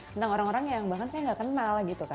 tentang orang orang yang bahkan saya nggak kenal